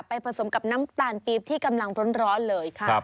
ผสมกับน้ำตาลปี๊บที่กำลังร้อนเลยค่ะ